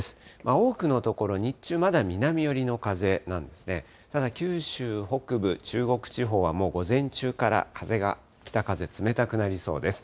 多くの所、日中、まだ南寄りの風なんですね、ただ九州北部、中国地方はもう午前中から風が、北風、冷たくなりそうです。